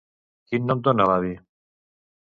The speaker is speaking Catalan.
Quin nom dona l'avi?